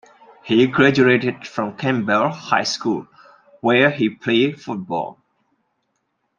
He graduated from Campbell High School, where he played football.